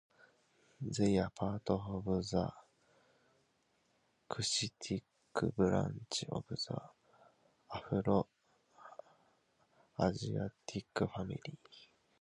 They are a part of the Cushitic branch of the Afro-Asiatic family.